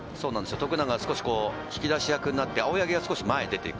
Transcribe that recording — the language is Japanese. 徳永、少し引き立て役になって青柳が前に出ていく。